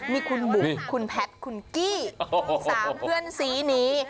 มีคุณบุ๋มคุณแพทย์คุณกี้๓เพื่อนซีนี้